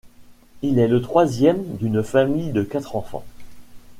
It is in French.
Il est le troisième d'une famille de quatre enfants.